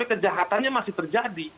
tapi kejahatannya masih terjadi